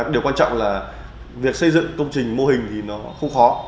điều quan trọng là việc xây dựng công trình mô hình thì nó không khó